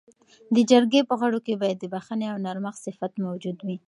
د جرګې په غړو کي باید د بخښنې او نرمښت صفت موجود وي.